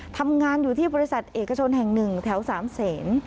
ทำงานอยู่ที่บริษัทเอกชนแห่ง๑แถว๓เสน